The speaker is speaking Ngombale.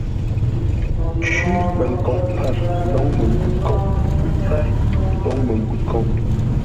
Cwímənkoʼ pfâr, lóŋ məngwʉ̂ kôʼ; ə́ mpfár, lôŋ məngwʉ̂ kôʼ.